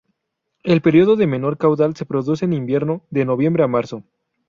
El período de menor caudal se produce en invierno, de noviembre a marzo.